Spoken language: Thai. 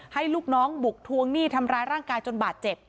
ลูกน้องบุกทวงหนี้ทำร้ายร่างกายจนบาดเจ็บ